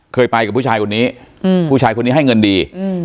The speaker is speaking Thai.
เคยไปกับผู้ชายคนนี้ผู้ชายคนนี้ให้เงินดี